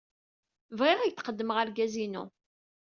Bɣiɣ ad ak-d-qeddmeɣ argaz-inu.